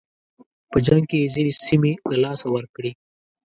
په جنګ کې یې ځینې سیمې له لاسه ورکړې.